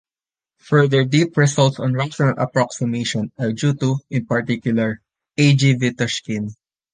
Further deep results on rational approximation are due to, in particular, A. G. Vitushkin.